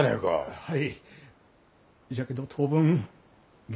はい。